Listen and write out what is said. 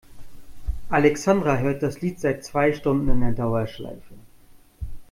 Alexandra hört das Lied seit zwei Stunden in Dauerschleife.